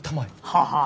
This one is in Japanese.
ははあ。